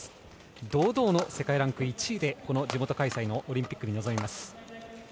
堂々の世界ランク１位でこの地元開催のオリンピックに臨みます。